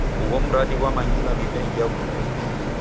Ugho mradi ghwamangilwa ni bengi ya w'urumwengu.